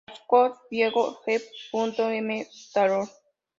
Azcón-Bieto, J. y M. Talón.